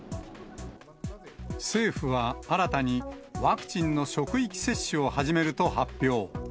政府は新たに、ワクチンの職域接種を始めると発表。